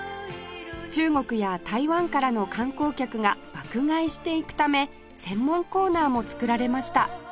中国や台湾からの観光客が爆買いしていくため専門コーナーも作られました